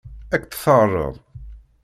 Ad k-tt-teɛṛeḍ?